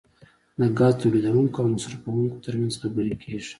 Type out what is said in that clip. د ګازو د تولیدونکو او مصرفونکو ترمنځ خبرې کیږي